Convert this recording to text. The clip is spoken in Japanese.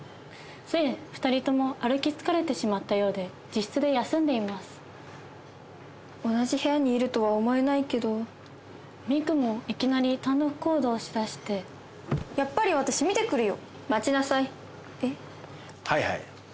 ええ二人とも歩き疲れてしまったようで自室で休んでいます同じ部屋にいるとは思えないけど三玖もいきなり単独行動をしだしてやっぱり私見てくるよ！